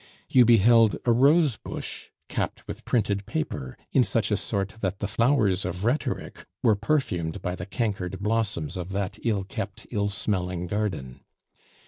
You beheld a rosebush capped with printed paper in such a sort that the flowers of rhetoric were perfumed by the cankered blossoms of that ill kept, ill smelling garden.